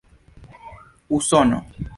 usono